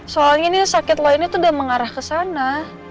soalnya ini sakit lainnya tuh udah mengarah ke sana